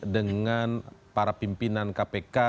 dengan para pimpinan kpk yang dianggap nuansanya